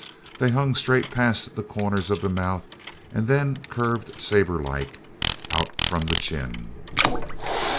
They hung straight past the corners of the mouth and then curved sabre like out from the chin.